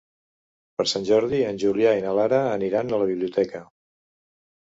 Per Sant Jordi en Julià i na Lara aniran a la biblioteca.